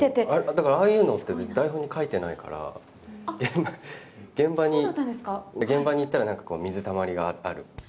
だからああいうのって台本書いてないから、現場に行ったら、なんかこう水たまりがある。